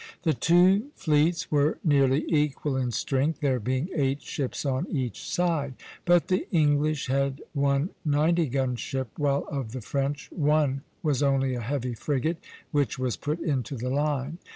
The two fleets were nearly equal in strength, there being eight ships on each side; but the English had one ninety gun ship, while of the French one was only a heavy frigate, which was put into the line.